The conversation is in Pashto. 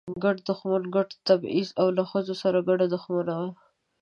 ګډ دښمن، ګډ تبعیض او له ښځو سره ګډه دښمني وه.